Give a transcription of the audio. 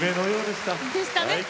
でしたね！